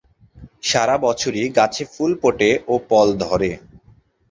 সারা বছরই গাছে ফুল ফোটে ও ফল ধরে।